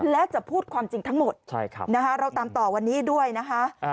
และจะพูดความจริงทั้งหมดเราตามต่อวันนี้ด้วยนะคะ